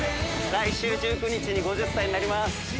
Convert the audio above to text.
来週１９日に５０歳になります！